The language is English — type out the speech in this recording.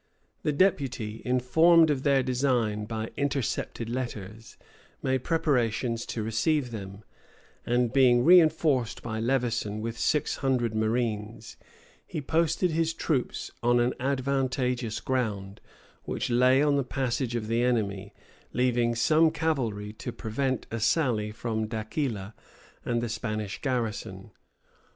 The deputy, informed of their design by intercepted letters, made preparations to receive them; and being reenforced by Levison with six hundred marines, he posted his troops on an advantageous ground, which lay on the passage of the enemy, leaving some cavalry to prevent a sally from D'Aquila and the Spanish garrison.